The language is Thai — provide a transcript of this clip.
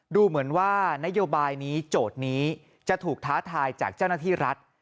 ดูเหมือนว่านโยบายนี้โจทย์นี้จะถูกท้าทายจากเจ้าหน้าที่รัฐ